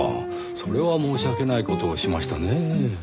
それは申し訳ない事をしましたねぇ。